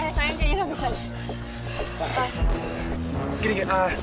eh sayangnya ini gak bisa deh